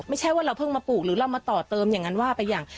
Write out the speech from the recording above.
ไม่ใช่ว่าเราเพิ่งมาปลูกหรือเรามาต่อเติมอย่างนั้นว่าไปอย่าง